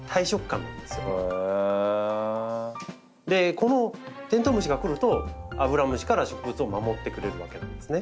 このテントウムシが来るとアブラムシから植物を守ってくれるわけなんですね。